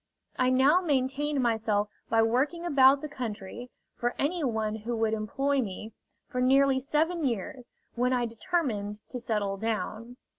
I now maintained myself by working about the country, for any one who would employ me, for nearly seven years, when I determined to settle down.